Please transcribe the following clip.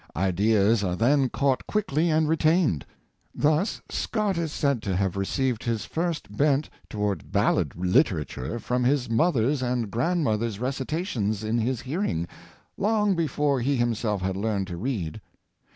Ideas are then caught quickly and retained. Thus Scott is said to have received his first bent towards ballad literature from his mother's and Home InJIuences, 91 grandmother's recitations in his hearing, long before he himself had learned to read.